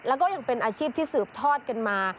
แล้วก็ยังเป็นอาชีพที่สืบทอดกันมา